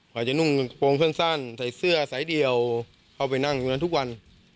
ก็จะนุ่งกระโปรงสั้นใส่เสื้อใส่เดียวเข้าไปนั่งทุกวัน